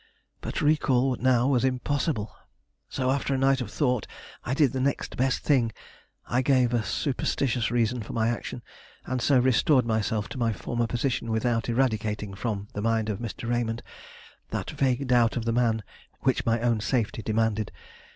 But recall now was impossible. So, after a night of thought, I did the next best thing: gave a superstitious reason for my action, and so restored myself to my former position without eradicating from the mind of Mr. Raymond that vague doubt of the man which my own safety demanded.